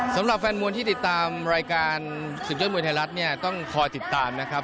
สำหรับแฟนมวยที่ติดตามรายการศึกยอดมวยไทยรัฐเนี่ยต้องคอยติดตามนะครับ